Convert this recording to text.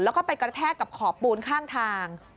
แล้วก็ไปกระแทกกับขอบปูนข้างทาง